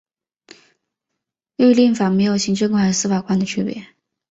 律令法没有行政官和司法官的区别。